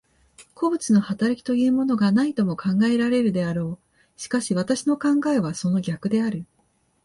個物の働きというものがないとも考えられるであろう。しかし私の考えはその逆である。